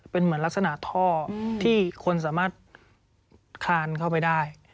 เป็นเหมือนลักษณะท่อที่คนสามารถคลานเข้าไปได้